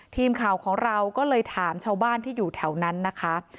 ทีมข่าวของเราก็เลยถามชาวบ้านที่อยู่แถวนั้นนะคะ